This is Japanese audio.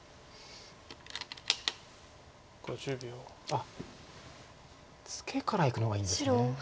あっツケからいくのがいいんですね。